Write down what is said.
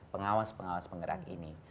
pengawas pengawas penggerak ini